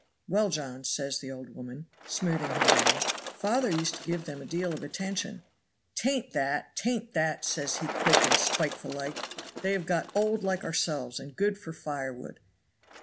"'Well, John,' says the old woman, smoothing him down; 'father used to give them a deal of attention.' ' 'Tain't that! 'tain't that!' says he quick and spiteful like; 'they have got old like ourselves, and good for fire wood.'